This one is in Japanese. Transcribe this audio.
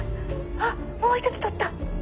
あっもう１つ取った！